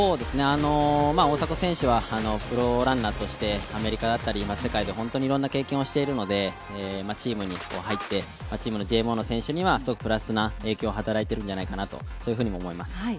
大迫選手はプロランナーとしてアメリカだったり世界で本当にいろんな経験をしているのでチームに入って、チームのＧＭＯの選手にはすごくプラスな影響が働いているんじゃないかなと思います。